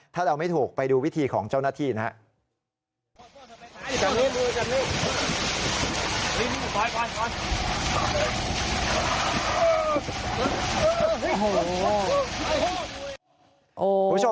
ถ้าเดาไม่ถูกไปดูวิธีของเจ้าหน้าที่นะครับ